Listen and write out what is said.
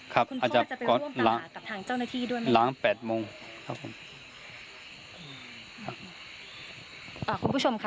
ครับคุณพ่อจะไปร่วมตามหากับทางเจ้าหน้าที่ด้วยมั้ยหลังแปดโมงครับคุณผู้ชมค่ะ